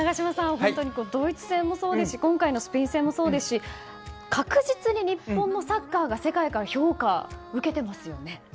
本当にドイツ戦もそうですし今回のスペイン戦もそうですし確実に日本のサッカーが世界から評価受けていますよね。